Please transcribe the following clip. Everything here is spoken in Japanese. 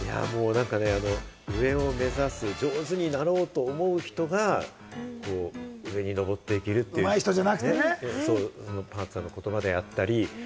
上を目指す、上手になろうと思う人が上にのぼっていけるというＰａｒｋさんの言葉であったり。